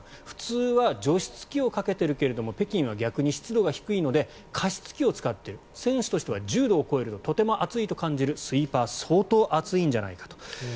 普通は除湿器をかけてるが北京は逆に湿度が低いので加湿器を使っている選手としては１０度を超えるととても暑いと感じるスイーパー相当暑いんじゃないかと。